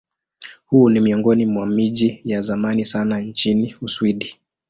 Huu ni miongoni mwa miji ya zamani sana nchini Uswidi.